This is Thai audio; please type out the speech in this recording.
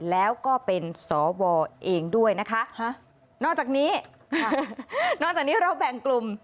แล้วก็เป็นสวเองด้วยนะคะนอกจากนี้นอกจากนี้เราแบ่งกลุ่ม